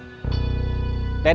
ketika mereka berdua udah bersama